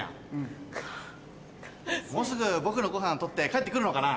もうすぐ僕のごはん取って帰って来るのかな？